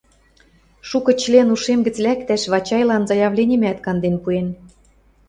Шукы член ушем гӹц лӓктӓш Вачайлан заявленимӓт канден пуэн.